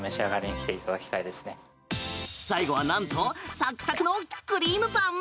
最後はなんとサクサクのクリームパン？